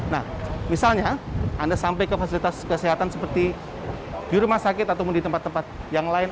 nah misalnya anda sampai ke fasilitas kesehatan seperti di rumah sakit atau di tempat tempat yang lain